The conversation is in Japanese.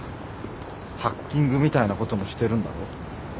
ハッキングみたいなこともしてるんだろ？